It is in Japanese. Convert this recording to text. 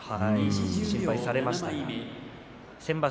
心配されましたが先場所